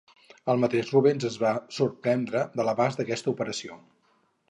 El mateix Rubens es va sorprendre de l'abast d'aquesta operació.